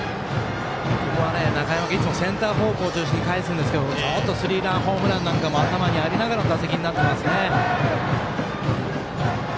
ここは中山君、センター方向に返すんですけど、ちょっとスリーランホームランなんかも頭にありながらの打席になってますね。